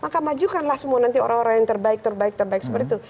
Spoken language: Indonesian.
karena nanti orang orang yang terbaik terbaik seperti itu